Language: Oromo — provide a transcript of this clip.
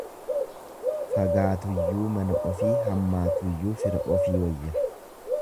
Fagaatuyyuu mana ofii hammaatuyyu fira ofii wayya.